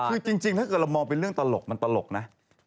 คือจริงถ้าเกิดเรามองเป็นเรื่องตลกมันตลกนะ